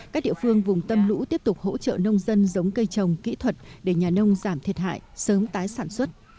các địa phương vùng tâm lũ tiếp tục hỗ trợ nông dân giống cây trồng kỹ thuật để nhà nông giảm thiệt hại sớm tái sản xuất